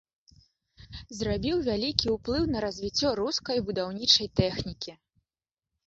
Зрабіў вялікі ўплыў на развіццё рускай будаўнічай тэхнікі.